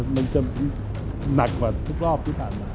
มันจะหนักกว่าทุกรอบที่ผ่านมา